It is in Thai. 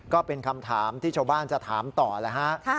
ก็เป็นคำถามที่ชาวบ้านจะถามต่อแล้วฮะ